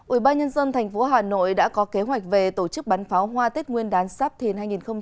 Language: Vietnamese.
ubnd tp hà nội đã có kế hoạch về tổ chức bắn pháo hoa tết nguyên đán sắp thìn hai nghìn hai mươi bốn